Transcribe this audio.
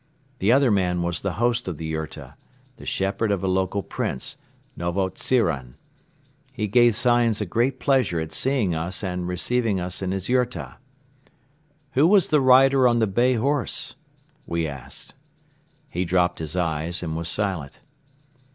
The other man was the host of the yurta, the shepherd of a local prince, Novontziran. He gave signs of great pleasure at seeing us and receiving us in his yurta. "Who was the rider on the bay horse?" we asked. He dropped his eyes and was silent.